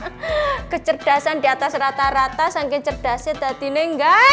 hrm kecerdasan di atas rata rata sangking cerdasnya tadinya enggak